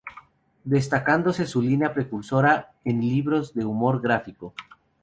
Destacándose su línea precursora en libros de humor gráfico.